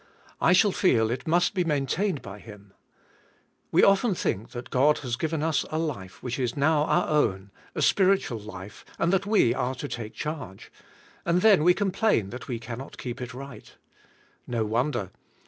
I shall feel it must be maintained by Him. We often think that God has given us a life which is now our own, a spiritual life, and that we are to take charge; and then we complain that we can not keep it right. No won der.